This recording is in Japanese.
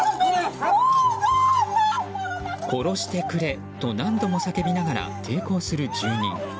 殺してくれと何度も叫びながら抵抗する住人。